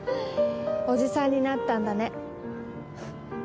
おじさんになったんだね。